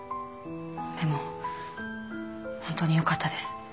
でもホントによかったです。